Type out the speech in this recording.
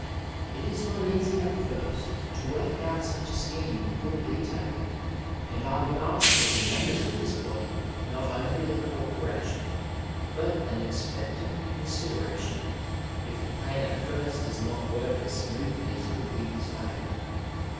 It is not easy at first to work out such a scheme in full detail, and I would ask of the members of this body not only their co operation, but an expectant consideration, if the planat first does not work as smoothly as could be desired.